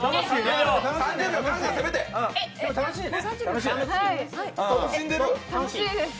楽しいです。